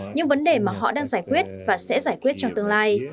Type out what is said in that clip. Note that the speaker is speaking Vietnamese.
những vấn đề mà họ đang giải quyết và sẽ giải quyết trong tương lai